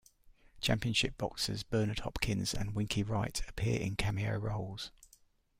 Championship boxers Bernard Hopkins and Winky Wright appear in cameo roles.